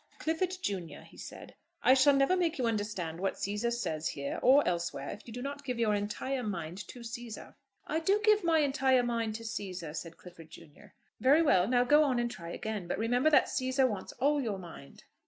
"Clifford, junior," he said, "I shall never make you understand what Cæsar says here or elsewhere if you do not give your entire mind to Cæsar." "I do give my entire mind to Cæsar," said Clifford, junior. "Very well; now go on and try again. But remember that Cæsar wants all your mind."